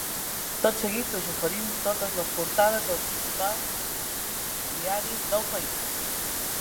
Tot seguit us oferim totes les portades dels principals dels diaris del país.